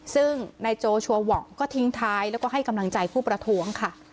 ซึ่งนายโจชัวร์หว่องก็ทิ้งท้ายแล้วก็ให้กำลังใจผู้ประท้วงค่ะ